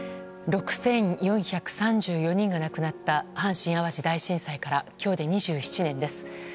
６４３４人が亡くなった阪神・淡路大震災から今日で２７年です。